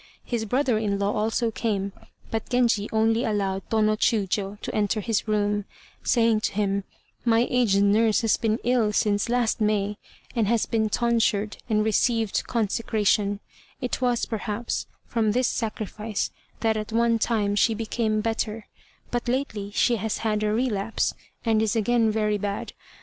His brother in law also came, but Genji only allowed Tô no Chiûjiô to enter his room, saying to him, "My aged nurse has been ill since last May, and has been tonsured, and received consecration; it was, perhaps, from this sacrifice that at one time she became better, but lately she has had a relapse, and is again very bad.